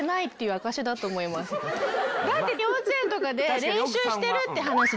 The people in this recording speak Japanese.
だって幼稚園とかで練習してるって話。